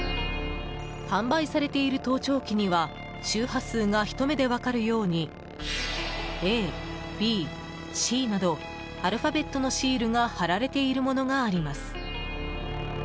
販売されている盗聴器には周波数がひと目で分かるように「Ａ、Ｂ、Ｃ」などアルファベットのシールが貼られているものがあります。